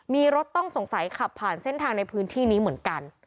มีรถต้องสงสัยขับผ่านเส้นทางในพื้นที่นี้เหมือนกัน